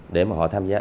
để mà họ tham gia